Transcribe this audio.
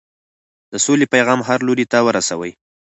د سولې پیغام هر لوري ته ورسوئ.